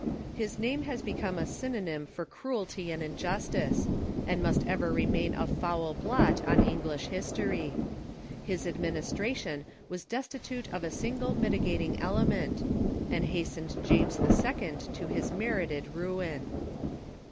His name has become a synonym for cruelty and injustice, and must ever remain a foul blot on English history. His admin istration was destitute of a single mitigating element, and hastened James II. to his merited ruin.